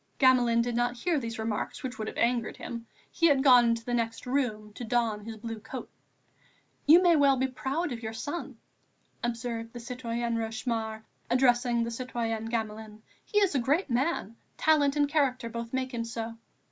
Gamelin did not hear these remarks, which would have angered him; he had gone into the next room to don his blue coat. "You may well be proud of your son," observed the citoyenne Rochemaure, addressing the citoyenne Gamelin. "He is a great man; talent and character both make him so."